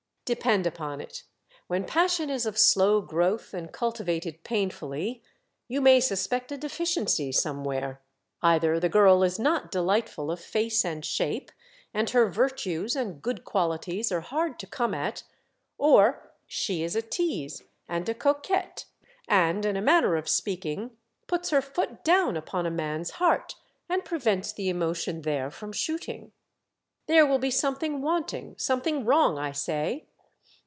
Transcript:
Depend upon it, when passion is of slow growth and cultivated painfully, you may suspect a deficiency somewhere. Either the girl is not delightful of face and shape and her virtues and good qualities are hard to come at, or she is a tease and a coquette, and, in a manner of speaking, puts her foot down upon a man's heart and prevents the emotion there from shooting. There will be something wanting, something wrong, I say.